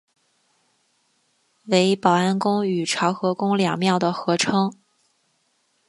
为保安宫与潮和宫两庙的合称。